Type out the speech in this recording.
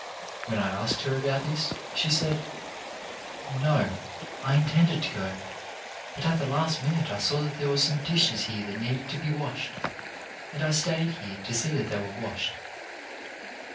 When I asked her about this, she said: "No. I intended to go, but at the last minute I EACH ONE HIS PART 219 saw that there were some dishes here that needed to be washed, and I stayed here to see that they were washed."